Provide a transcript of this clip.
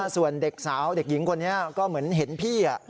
ส่วนเด็กสาวเด็กหญิงคนนี้ก็เหมือนเห็นพี่